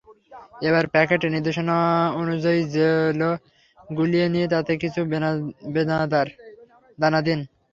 এবার প্যাকেটে নির্দেশনা অনুযায়ী জেলো গুলিয়ে নিয়ে তাতে কিছু বেদানার দানা দিন।